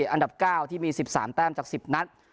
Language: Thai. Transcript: อันดับเก้าที่มีสิบสามแต้มจากสิบนัด